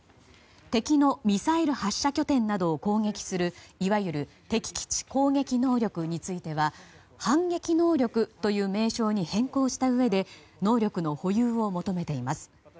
敵のミサイル発射拠点などを攻撃するいわゆる敵基地攻撃能力については反撃能力という名称に変更したうえで能力の保有を求めています。